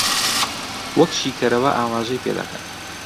وەک شیکەرەوە ئاماژەی پێ دەکەن